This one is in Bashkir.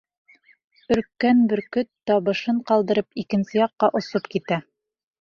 Өрккән бөркөт, табышын ҡалдырып, икенсе яҡҡа осоп китә.